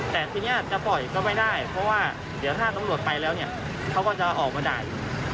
แต่ทีนี้จะปล่อยก็ไม่ได้เพราะว่าเดี๋ยวถ้าตำรวจไปแล้วเนี่ยเขาก็จะออกมาด่า